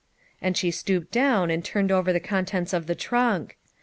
'And she stooped down and turned over the contents of the trunk.